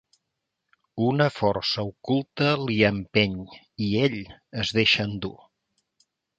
Una força oculta l'hi empeny i ell es deixa endur.